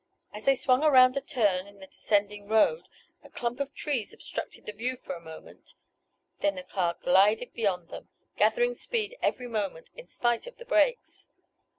As they swung around a turn in the descending road a clump of trees obstructed the view for a moment. Then the car glided beyond them, gathering speed every moment, in spite of the brakes.